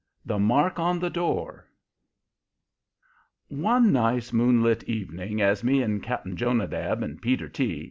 THE MARK ON THE DOOR One nice moonlight evening me and Cap'n Jonadab and Peter T.